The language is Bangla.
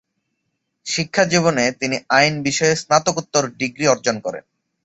শিক্ষাজীবনে তিনি আইন বিষয়ে স্নাতকোত্তর ডিগ্রি অর্জন করেন।